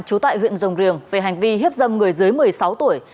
trú tại huyện rồng riềng về hành vi hiếp dâm người dưới một mươi sáu tuổi